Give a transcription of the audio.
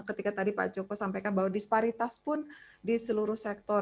ketika tadi pak joko sampaikan bahwa disparitas pun di seluruh sektor